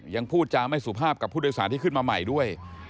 ยังพูดจาไม่สุภาพกับผู้โดยสารที่ขึ้นมาใหม่ด้วย